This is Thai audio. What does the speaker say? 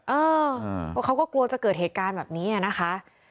เพราะเขาก็กลัวจะเกิดเหตุการณ์แบบนี้นะคะ